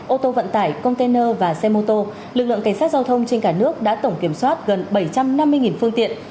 ô tô vận tải container và xe mô tô lực lượng cảnh sát giao thông trên cả nước đã tổng kiểm soát gần bảy trăm năm mươi phương tiện